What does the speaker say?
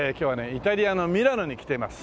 イタリアのミラノに来てます。